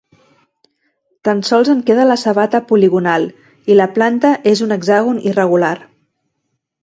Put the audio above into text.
Tan sols en queda la sabata poligonal i la planta és un hexàgon irregular.